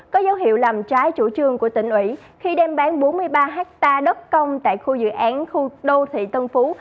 có dấu hiệu làm trái chủ trương của tỉnh ủy khi đem bán bốn mươi ba hectare đất công tại khu dự án khu đô thị tân phú